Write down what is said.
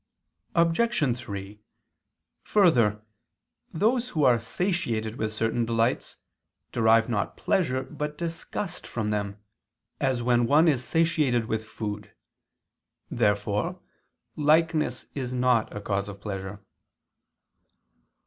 Obj. 3: Further, those who are satiated with certain delights, derive not pleasure but disgust from them; as when one is satiated with food. Therefore likeness is not a cause of pleasure.